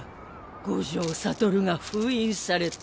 五条悟が封印された。